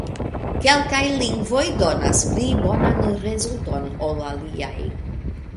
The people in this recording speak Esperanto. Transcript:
Kelkaj lingvoj donas pli bonan rezulton ol aliaj.